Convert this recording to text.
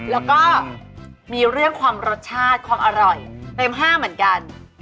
แล้วก็มีเรื่องความรสชาติความอร่อยเต็ม๕เหมือนกัน